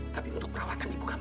tapi untuk perawatan ibu hamil